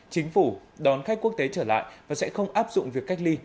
chính phủ đón khách quốc tế trở lại và sẽ không áp dụng việc cách ly